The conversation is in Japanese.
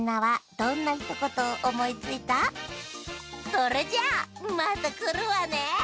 それじゃあまたくるわね。